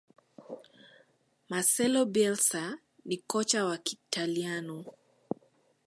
marcelo bielsa ni kocha wa Kiitaliano